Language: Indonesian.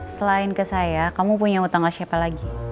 selain ke saya kamu punya hutang ke siapa lagi